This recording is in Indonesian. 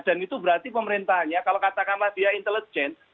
dan itu berarti pemerintahnya kalau katakanlah dia intelijen